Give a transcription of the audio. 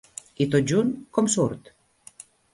I tot junt, com surt?